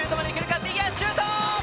右足、シュート！